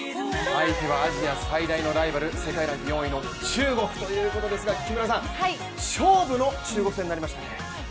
相手はアジア最大のライバル、世界の強豪中国ということですが、勝負の中国戦になりましたね。